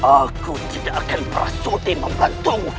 aku tidak akan berhasil membantumu